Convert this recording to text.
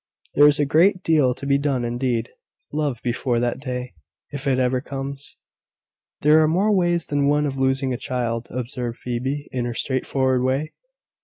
"There is a great deal to be done indeed, love, before that day, if it ever comes." "There are more ways than one of losing a child," observed Phoebe, in her straightforward way.